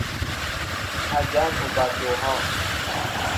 A jan oɓato ohɔʼ.